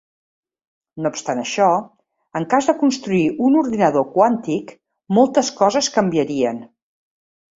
No obstant això, en cas de construir un ordinador quàntic, moltes coses canviarien.